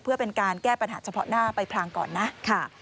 เพื่อเป็นการแก้ปัญหาเฉพาะหน้าไปพลางก่อนนะค่ะ